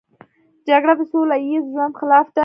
جګړه د سوله ییز ژوند خلاف ده